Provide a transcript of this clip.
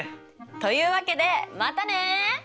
というわけでまたね！